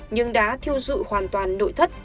nhưng đã thiêu dụ hoàn toàn nội thất